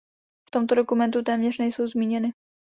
V tomto dokumentu téměř nejsou zmíněny.